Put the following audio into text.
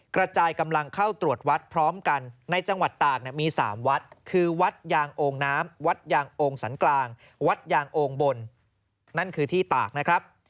กระจายกำลังเข้าตรวจวัดพร้อมกันในจังหวัดตากมี๓วัดคือวัดยางโอ่งน้ำวัดยางโองสันกลางวัดยางโองบนนั่นคือที่ตากนะครับ